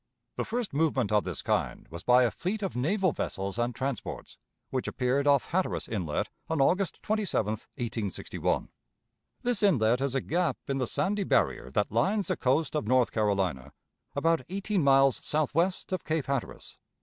The first movement of this kind was by a fleet of naval vessels and transports which appeared off Hatteras Inlet on August 27, 1861. This inlet is a gap in the sandy barrier that lines the coast of North Carolina about eighteen miles southwest of Cape Hatteras.